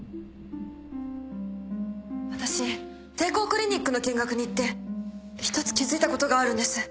私帝光クリニックの見学に行って１つ気付いたことがあるんです。